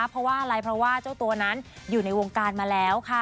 เพราะว่าอะไรเพราะว่าเจ้าตัวนั้นอยู่ในวงการมาแล้วค่ะ